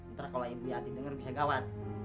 ntar kalo ibu hati denger bisa gawat